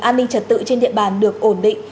an ninh trật tự trên địa bàn được ổn định